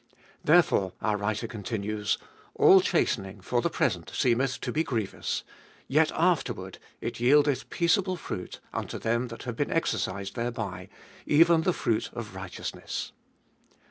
Therefore, our writer continues, All chastening for the present seemeth to be grievous: yet afterward it yieldeth peaceable fruit unto them that have been exercised thereby, even the fruit of righteousness.